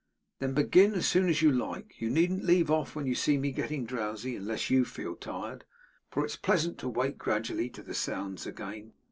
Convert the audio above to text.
'Then begin as soon as you like. You needn't leave off when you see me getting drowsy (unless you feel tired), for it's pleasant to wake gradually to the sounds again.